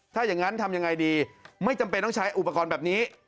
ถ้าอย่างนั้นทำยังไงดีไม่จำเป็นต้องใช้อุปกรณ์แบบนี้